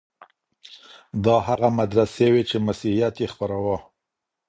دا هغه مدرسې وې چي مسيحيت يې خپراوه.